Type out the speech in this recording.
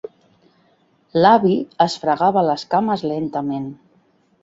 L'avi es fregava les cames lentament.